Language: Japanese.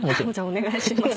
お願いします